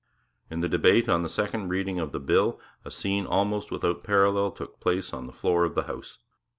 In the debate on the second reading of the bill a scene almost without parallel took place on the floor of the House.